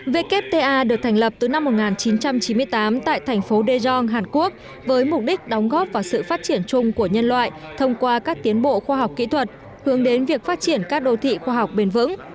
wta được thành lập từ năm một nghìn chín trăm chín mươi tám tại thành phố daejeon hàn quốc với mục đích đóng góp vào sự phát triển chung của nhân loại thông qua các tiến bộ khoa học kỹ thuật hướng đến việc phát triển các đô thị khoa học bền vững